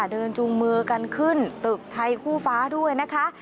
จูงมือกันขึ้นตึกไทยคู่ฟ้าด้วยนะคะ